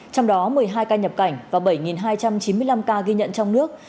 trong đó một mươi hai ca nhập cảnh và bảy hai trăm chín mươi năm ca ghi nhận trong nước